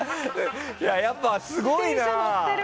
やっぱ、すごいな。